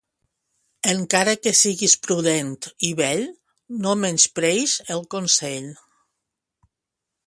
Encara que siguis prudent i vell, no menyspreïs el consell.